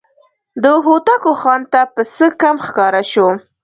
د هوتکو خان ته پسه کم ښکاره شو.